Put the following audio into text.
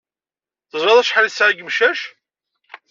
Teẓriḍ acḥal i tesɛa n yimcac?